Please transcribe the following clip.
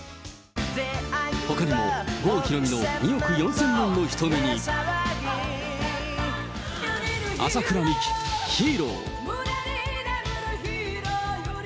ほかにも、郷ひろみの２億４千万の瞳に、麻倉未稀、ヒーロー。